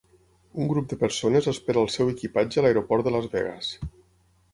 Un grup de persones espera el seu equipatge a l'aeroport de Las Vegas.